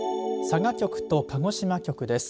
佐賀局と鹿児島局です。